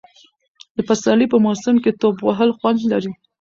د پسرلي په موسم کې ټوپ وهل خوند لري.